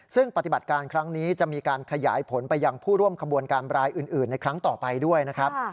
ซึ่งปฏิบัติการครั้งนี้จะมีการขยายผลไปยังผู้ร่วมขบวนการรายอื่นในครั้งต่อไปด้วยนะครับ